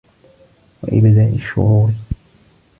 وَإِبْدَاءِ الشُّرُورِ